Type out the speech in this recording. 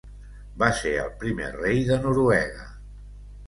Va ser el primer rei de Noruega.